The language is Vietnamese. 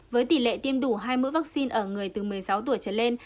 với tỷ lệ tiêm đủ hai mũi vaccine ở người từ một mươi sáu tuổi trở lên